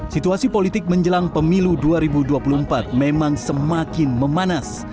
situasi politik menjelang pemilu dua ribu dua puluh empat memang semakin memanas